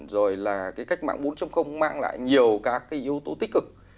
rồi là cái cách mạng bốn mang lại nhiều các cái yếu tố tích cực